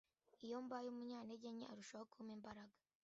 Iyo mbaye umunyantegenke arushaho kumpa imbaraga